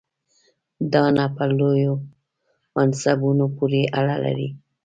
دا نه په لویو منصبونو پورې اړه لري.